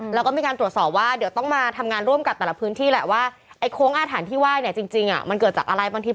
แล้วก็มีการตรวจสอบว่าเดี๋ยวต้องมาทำงานร่วมกับแต่ละพื้นที่แหละว่าไอ้โค้งอาถรรพ์ที่ไหว้เนี่ยจริงมันเกิดจากอะไรบางที